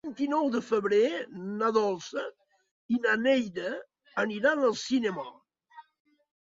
El vint-i-nou de febrer na Dolça i na Neida aniran al cinema.